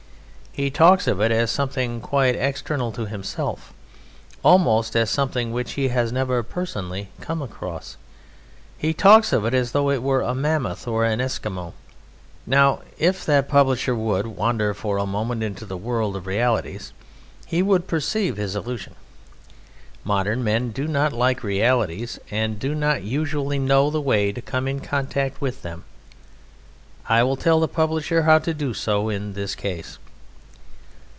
He talks of it as something quite external to himself, almost as something which he has never personally come across. He talks of it as though it were a Mammoth or an Eskimo. Now, if that publisher would wander for a moment into the world of realities he would perceive his illusion. Modern men do not like realities, and do not usually know the way to come in contact with them. I will tell the publisher how to do so in this case.